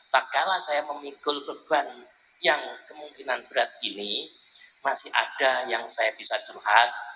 tak kalah saya memikul beban yang kemungkinan berat ini masih ada yang saya bisa curhat